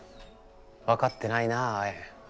分かってないなアエン。